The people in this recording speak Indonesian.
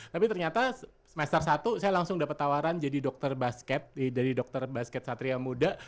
tapi ternyata semester satu saya langsung dapat tawaran jadi dokter basket dari dokter basket satria muda